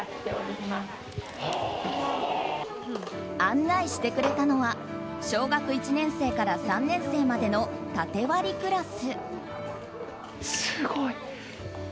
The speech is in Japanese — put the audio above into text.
案内してくれたのは小学１年生から３年生までの縦割りクラス。